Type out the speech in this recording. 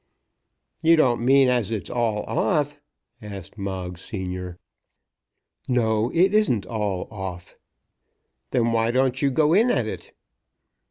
"You don't mean as it's all off?" asked Moggs senior. "No; it isn't all off." "Then why don't you go in at it?"